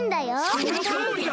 そのとおりだ！